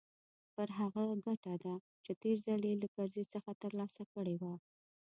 پر هغه ګټه ده چې تېر ځل يې له کرزي څخه ترلاسه کړې وه.